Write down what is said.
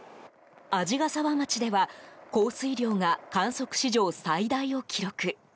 鰺ケ沢町では降水量が観測史上最大を記録。